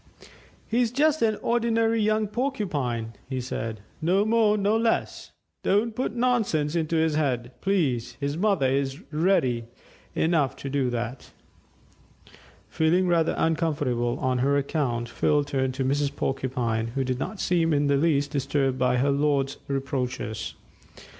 "He's just an ordinary young Porcupine," he said; "no more, no less. Don't put nonsense into his head, please his mother is ready enough to do that." Feeling rather uncomfortable on her account, Phil turned to Mrs. Porcupine, who did not seem in the least disturbed by her lord's reproaches.